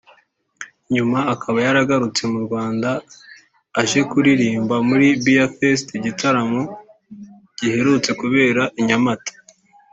nyuma akaba yaragarutse mu Rwanda aje kuririmba muri Beer Fest igitaramo giherutse kubera i Nyamata